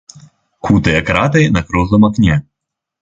Кутыя краты на круглым акне.